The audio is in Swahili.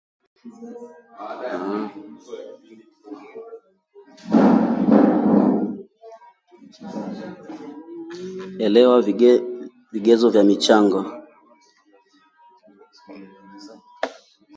Kadide pamoja na ndugu zake na marafiki wachache